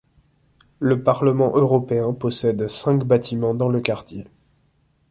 Le Parlement européen possède cinq bâtiments dans le quartier.